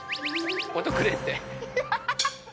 音くれって。